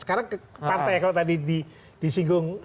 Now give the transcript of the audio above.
sekarang partai kalau tadi disinggung